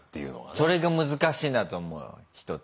それが難しいなと思う人って。